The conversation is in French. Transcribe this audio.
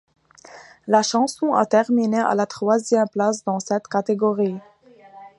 La chanson a terminé à la troisième place dans cette catégorie.